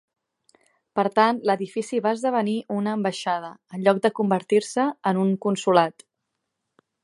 Per tant, l'edifici va esdevenir una ambaixada, en lloc de convertir-se en un consolat.